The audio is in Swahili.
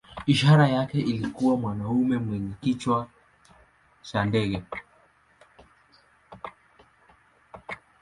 Ishara yake ilikuwa mwanamume mwenye kichwa cha ndege.